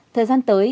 thời gian tới